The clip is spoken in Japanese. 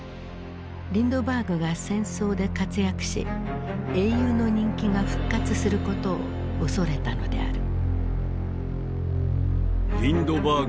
リンドバーグが戦争で活躍し英雄の人気が復活することを恐れたのである。